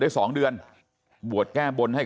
กระดิ่งเสียงเรียกว่าเด็กน้อยจุดประดิ่ง